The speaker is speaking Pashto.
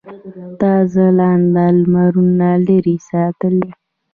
تا ځلاند لمرونه لرې ساتلي.